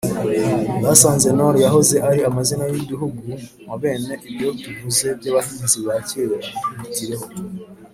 busanza-nord, yahoze ari amazina y’uduhugu, nka bene ibyo tuvuze by’abahinza ba cyera. ukubitireho